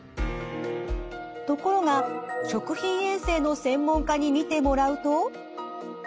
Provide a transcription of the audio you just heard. ところが食品衛生の専門家に見てもらうと。